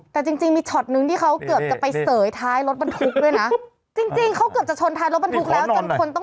แต่อันนี้คือผิดฐานขับขี่หว่าเสี่ยวนะ